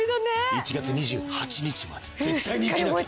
１月２８日まで絶対に生きなきゃ。